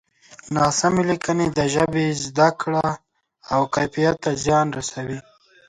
ناسمې لیکنې د ژبې زده کړه او کیفیت ته زیان رسوي.